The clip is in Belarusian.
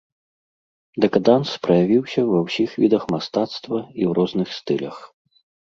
Дэкаданс праявіўся ва ўсіх відах мастацтва і ў розных стылях.